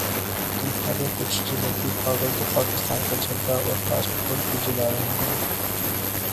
تمہارے کچھ جنونی پاگل تو پاکستان کا جھنڈا اور پاسپورٹ بھی جلا رہے ہیں۔